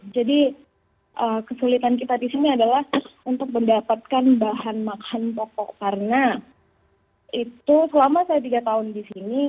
kesulitan kita di sini adalah untuk mendapatkan bahan makanan pokok karena itu selama saya tiga tahun di sini